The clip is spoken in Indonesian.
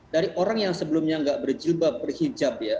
dari orang yang sebelumnya nggak berjilbab berhijab ya